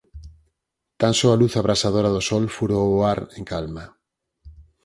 Tan só a luz abrasadora do sol furou o ar en calma.